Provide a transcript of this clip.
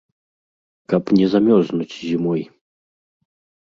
Каб не замёрзнуць зімой.